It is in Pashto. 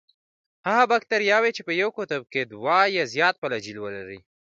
هغه باکتریاوې چې په یو قطب کې دوه یا زیات فلاجیل ولري.